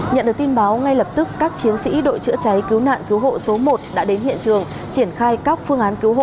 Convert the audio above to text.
nhận được tin báo ngay lập tức các chiến sĩ đội chữa cháy cứu nạn cứu hộ số một đã đến hiện trường